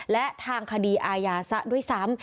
และทางคดีอาญาซะด้วยซ้ำ